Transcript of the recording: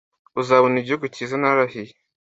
uzabona igihugu cyiza narahiriye